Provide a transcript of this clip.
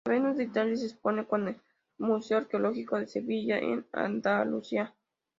La Venus de Itálica se expone en el Museo Arqueológico de Sevilla, en Andalucía.